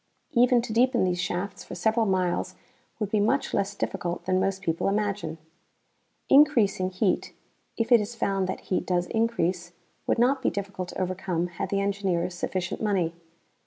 Even to deepen these shafts for several miles would be much less difficult than most people imagine. Increasing heat, if it is found that heat does increase, would not be difficult to overcome had the engineers sufficient money.